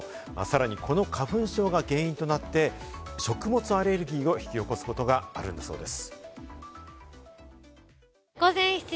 さらにこの花粉症が原因となって食物アレルギーを引き起こすことがあるんだそうです。